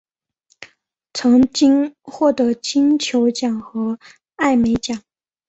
曾经获得金球奖和艾美奖。